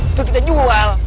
itu kita jual